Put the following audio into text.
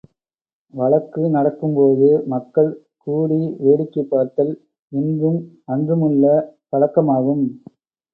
வழக்கு நடக்கும்போது மக்கள் கூடி வேடிக்கை பார்த்தல் இன்றும் அன்றுமுள்ள பழக்கமாகும்.